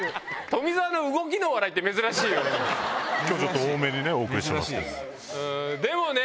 富澤の動きの笑いって珍しいよね。